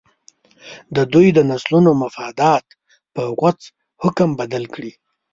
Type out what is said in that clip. د دوی د نسلونو مفادات په غوڅ حکم بدل کړي.